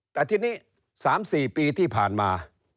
แต่ทีนี้๓๔ปีที่ผ่านมา